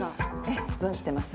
ええ存じてます